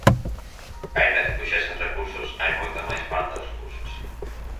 Aínda que puxesen recursos, hai moita máis falta de recursos.